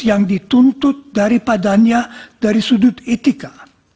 yang dituntut daripadanya dari sudut etika